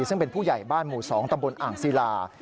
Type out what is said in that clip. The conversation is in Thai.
ซึ่งเป็นผู้ใหญ่บ้านหมู่๒ตำบลอ่างศิลา